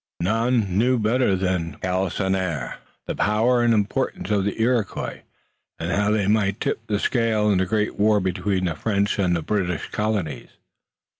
None knew better than de Galisonnière the power and importance of the Iroquois, and how they might tip the scale in a great war between the French and British colonies.